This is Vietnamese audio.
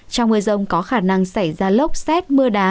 trong mưa rông có khả năng xảy ra lốc xét mưa đá